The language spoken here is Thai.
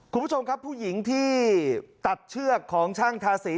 คุณผู้ชมครับผู้หญิงที่ตัดเชือกของช่างทาสี